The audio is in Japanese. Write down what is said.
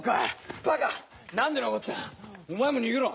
バカ何で残ったお前も逃げろ！